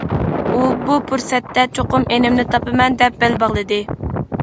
ئۇ بۇ پۇرسەتتە« چوقۇم ئىنىمنى تاپىمەن» دەپ بەل باغلىدى.